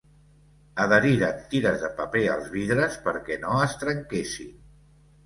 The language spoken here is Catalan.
Adheriren tires de paper als vidres perquè no es trenquessin.